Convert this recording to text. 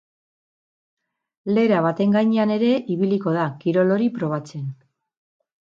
Lera baten gainean ere ibiliko da, kirol hori probatzen.